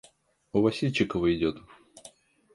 У Васильчикова идет.